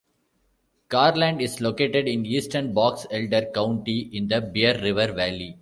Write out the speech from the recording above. Garland is located in eastern Box Elder County in the Bear River Valley.